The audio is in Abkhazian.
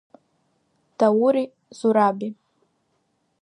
Даури Зураби.